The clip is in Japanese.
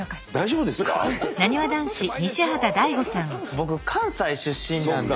僕関西出身なので。